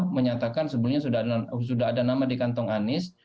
menyatakan sebelumnya sudah ada nama di kantong anies